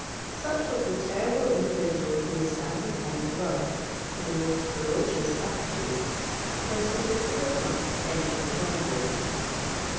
Such was the terrible individual who was standing on the rug, in a most ferocious attitude, when Sir Christopher Blunt entered the drawing room.